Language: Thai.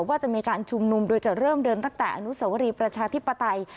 ว่าจะมีการชุมนุมโดยจะเริ่มเดินตั้งแต่อนุสวรีประชาธิปไตย